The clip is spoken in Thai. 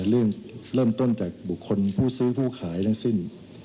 เรื่องเริ่มต้นจากบุคคลผู้ซื้อผู้ขายทั้งสิ้น